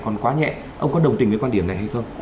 còn quá nhẹ ông có đồng tình với quan điểm này hay không